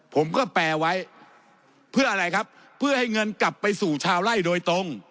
ผมก็แปลไว้เพื่ออะไรครับเพื่อให้เงินกลับไปสู่ชาวไล่โดยตรง